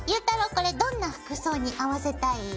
これどんな服装に合わせたい？